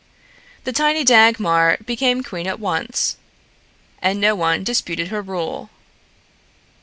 The tiny Dagmar became queen at once, and no one disputed her rule.